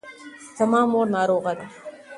زما مور ناروغه ده.